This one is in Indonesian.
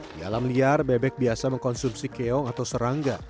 di alam liar bebek biasa mengkonsumsi keong atau serangga